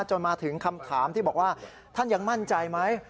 จนมาถึงคำถามที่บอกว่าท่านยังมั่นใจไหม